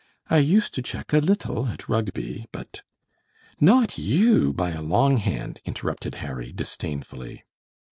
"I used to check a little at Rugby, but " "Not you, by a long hand," interrupted Harry, disdainfully.